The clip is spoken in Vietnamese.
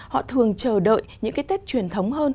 họ thường chờ đợi những cái tết truyền thống hơn